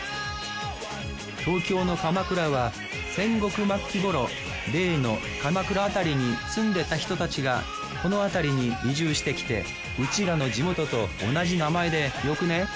東京の鎌倉は戦国末期頃例の鎌倉辺りに住んでた人たちがこの辺りに移住してきて「うちらの地元と同じ名前でよくね？」